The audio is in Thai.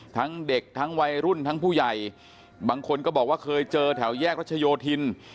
ทั้งเด็กทั้งวัยรุ่นทั้งผู้ใหญ่บางคนก็บอกว่าเคยเจอแถวแยกรัชโยธิน